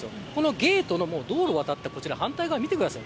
ゲートの道路を渡った反対側見てください。